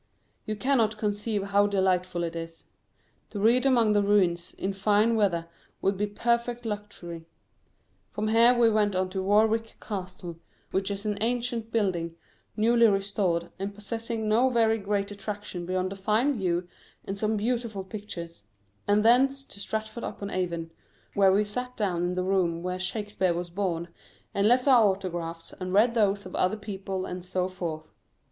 You cannot conceive how delightful it is. To read among the ruins in fine weather would be perfect luxury. From here we went on to Warwick Castle, which is an ancient building, newly restored, and possessing no very great attraction beyond a fine view and some beautiful pictures; and thence to Stratford upon Avon, where we sat down in the room where Shakespeare was born, and left our autographs and read those of other people and so forth.